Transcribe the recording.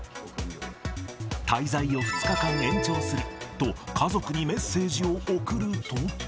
滞在を２日間延長すると家族にメッセージを送ると。